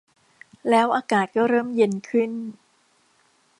แล้วอากาศก็เริ่มเย็นขึ้น